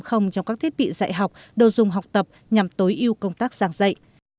trong các thiết bị dạy học đồ dùng học tập nhằm tối ưu công tác giảng dạy